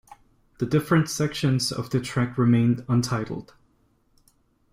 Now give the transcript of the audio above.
The different sections of the track remain untitled.